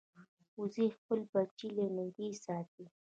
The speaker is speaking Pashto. وزې خپل بچي له نږدې ساتي